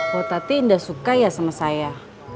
bu tati indah suka ya sama saya